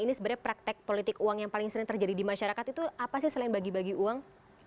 ini sebenarnya praktek politik uang yang paling sering terjadi di masyarakat itu apa sih selain bagi bagi uang